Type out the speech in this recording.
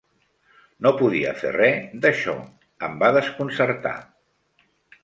No podia fer res d'això. Em va desconcertar.